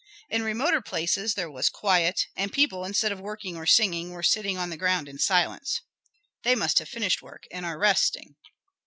In remoter places there was quiet, and people instead of working or singing were sitting on the ground in silence. "They must have finished work and are resting."